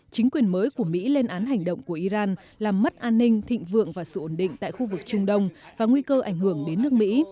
chính quyền mới của mỹ lên án hành động của iran làm mất an ninh thịnh vượng và sự ổn định tại khu vực trung đông và nguy cơ ảnh hưởng đến nước mỹ